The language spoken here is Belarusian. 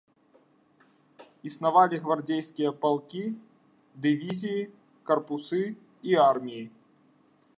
Існавалі гвардзейскія палкі, дывізіі, карпусы і арміі.